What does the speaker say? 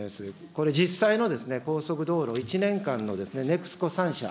これ実際の高速道路、１年間のＮＥＸＣＯ３社。